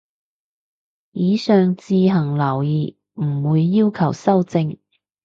以上自行留意，唔會要求修正